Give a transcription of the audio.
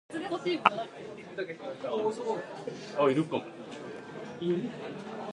Blue Pool Road is divided into two sections.